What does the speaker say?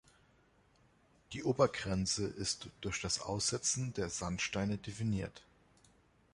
Die Obergrenze ist durch das Aussetzen der Sandsteine definiert.